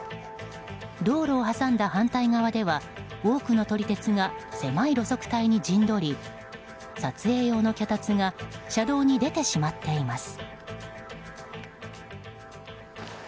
道路を挟んだ反対側では多くの撮り鉄が狭い路側帯に陣取り撮影用の脚立が車道に出てしまっています。